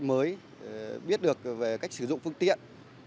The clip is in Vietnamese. mới biết được về cách sử dụng phương tiện